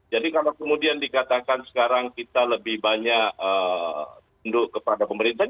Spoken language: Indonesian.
jadi kalau kemudian dikatakan sekarang kita lebih banyak tunduk kepada pemerintah